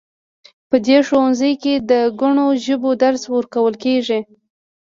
په دې ښوونځي کې د ګڼو ژبو درس ورکول کیږي